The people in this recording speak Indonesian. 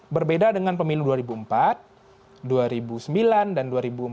berbeda dengan pemilu dua ribu empat dua ribu sembilan dan dua ribu empat belas